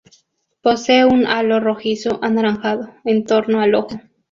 Posee un halo rojizo-anaranjado en torno al ojo.